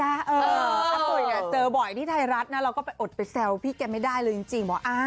อื้ออาตุ๋ยเจอบ่อยที่ไทยรัฐนะเราก็ไปอดไปแซวพี่แกไม่ได้เลยจริงจริง